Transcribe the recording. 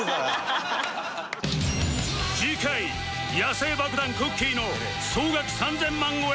次回野性爆弾くっきー！の総額３０００万超え